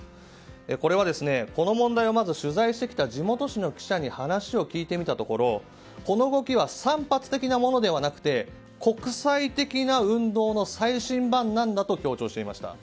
これは、この問題を取材してきた地元紙の記者に話を聞いてみたところこの動きは散発的なものではなく国際的な運動の最新版なんだと強調していました。